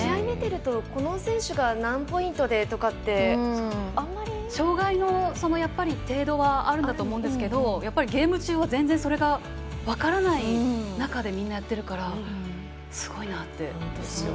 試合見てると、この選手が何ポイントでというのは障がいの程度はあるんだと思うんですけどゲーム中はそれが分からない中でみんな、やってるからすごいなって。